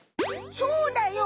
そうだよ